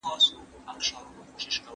زما یې په تیارو پسي تیارې پر تندي کښلي دي